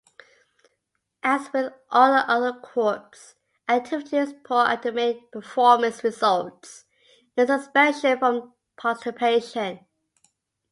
As with all other Corps activities, poor academic performance results in suspension from participation.